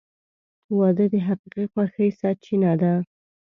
• واده د حقیقي خوښۍ سرچینه ده.